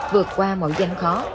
vượt qua mọi danh khó